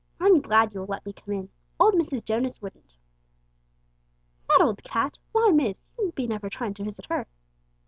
"I'm glad you will let me come in. Old Mrs. Jonas wouldn't!" "That old cat! Why, miss! you be never tryin' to visit her?"